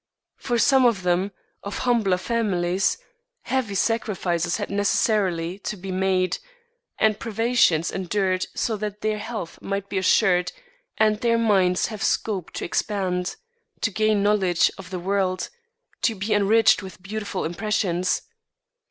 For some of them, of humbler families, heavy sacrifices had necessarily to be made and privations endured so that their health might be assured and their minds have scope to expand, to gain knowledge of the world, to be enriched with beautiful impressions.